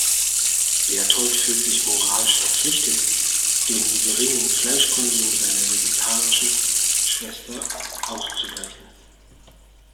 Bertold fühlt sich moralisch verpflichtet, den geringen Fleischkonsum seiner vegetarischen Schwester auszugleichen.